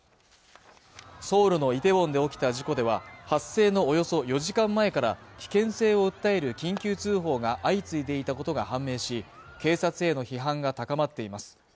ソウルのイテウォンで起きた事故では発生のおよそ４時間前から危険性を訴える緊急通報が相次いでいたことが判明し警察への批判が高まっています